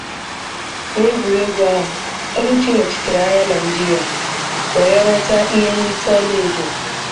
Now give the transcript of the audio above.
N'egwuregwu ahụ, Oluchi nọchitere anya Naịjirịa, were nweta ihe nrite ọla edo.